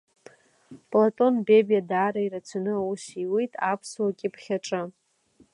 Платон Бебиа даара ирацәаны аус иуит аԥсуа кьыԥхь аҿы.